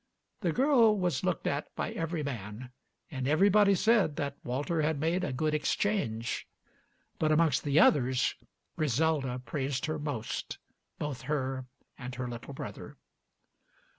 The girl was looked at by every man, and everybody said that Walter had made a good exchange: but amongst the others Griselda praised her most; both her and her little brother.